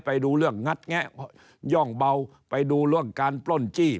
ไปดูเรื่องงัดแงะย่องเบาไปดูเรื่องการปล้นจี้